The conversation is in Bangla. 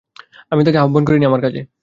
আমি তাঁকে আহ্বান করি নি আমার কাজে।